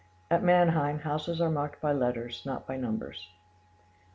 [At Mannheim houses are marked by letters, not by numbers.